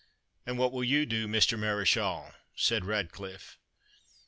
"And what will you do, Mr. Mareschal?" said Ratcliffe.